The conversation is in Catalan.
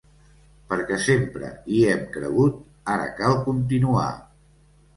Perquè sempre hi hem cregut, ara cal continuar!